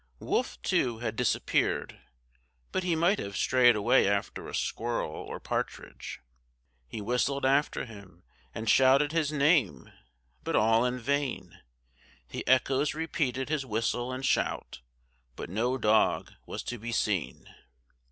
Wolf, too, had disappeared, but he might have strayed away after a squirrel or partridge. He whistled after him and shouted his name, but all in vain; the echoes repeated his whistle and shout, but no dog was to be seen.